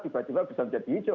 tiba tiba bisa menjadi hijau